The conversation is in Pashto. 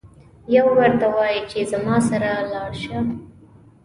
یو ورته وایي چې زما سره لاړشه.